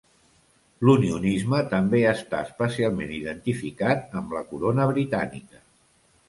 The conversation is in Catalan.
L'unionisme també està especialment identificat amb la Corona Britànica.